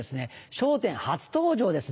『笑点』初登場です。